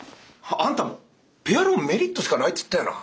あんたペアローンメリットしかないって言ったよな！